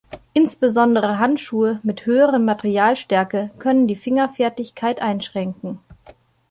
Insbesondere Handschuhe mit höherer Materialstärke können die Fingerfertigkeit einschränken.